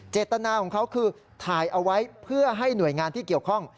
เจตนาของเขาคือถ่ายเอาไว้เพื่อให้หน่วยงานที่เกี่ยวข้อง